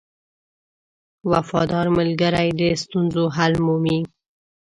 • وفادار ملګری د ستونزو حل مومي.